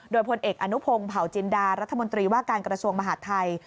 โดยพลเอกอนุพงศ์เผาจินดารัฐมนตรีว่าการกระทรวงมหาดไทย